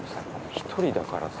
１人だからさ